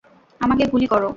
আমাকে গুলি করো।